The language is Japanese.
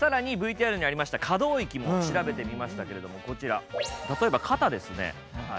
更にＶＴＲにありました可動域も調べてみましたけれどもこちら例えば肩ですね。